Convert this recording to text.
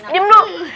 dim dim dulu